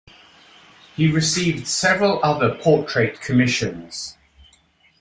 He received several other portrait commissions.